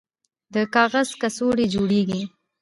د کاغذ کڅوړې جوړیږي؟